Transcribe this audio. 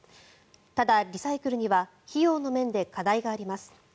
ただ、リサイクルには費用の面で課題があります。